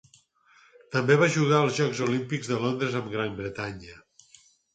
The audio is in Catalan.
També va jugar els Jocs Olímpics de Londres amb Gran Bretanya.